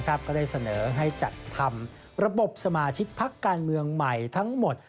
ก็ได้เสนอให้จัดทำระบบสมาชิกพักการเมืองใหม่ทั้งหมด